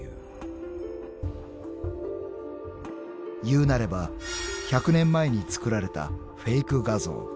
［いうなれば１００年前に作られたフェイク画像］